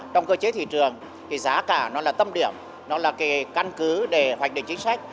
trong cơ chế thị trường cái giá cả nó là tâm điểm nó là cái căn cứ để hoạch định chính sách